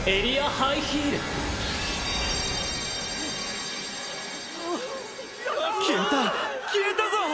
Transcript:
ハイヒール・消えた消えたぞ！